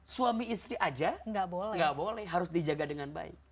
suami istri aja gak boleh harus dijaga dengan baik